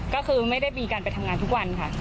ก็คือไม่ได้มีการไปทำงานทุกวันค่ะ